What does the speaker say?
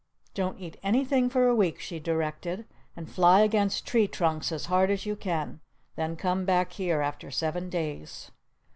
"Don't eat anything for a week," she directed. "And fly against tree trunks as hard as you can. Then come back here after seven days."